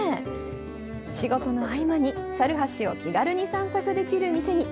仕事の合間に、猿橋を気軽に散策できる店に。